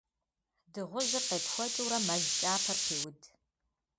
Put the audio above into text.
Дыгъужьыр къепхуэкӀыурэ мэл кӀапэр пеуд.